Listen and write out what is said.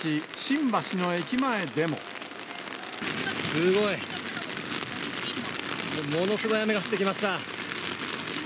すごい、ものすごい雨が降ってきました。